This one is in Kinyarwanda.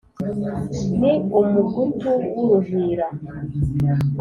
ni umugutu w’uruhira